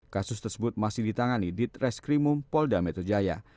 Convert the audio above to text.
kasus tersebut masih ditangani di treskrimum polda metro jaya